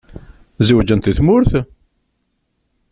Zewǧent deg tmurt?